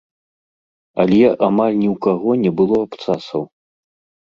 Але амаль ні ў каго не было абцасаў!